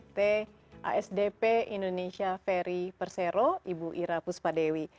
pt asdp indonesia ferry persero ibu ira puspadewi